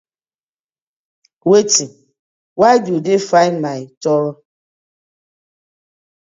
Wetin? Why do dey find my toro?